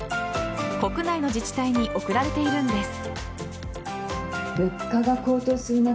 国内の自治体に贈られているんです。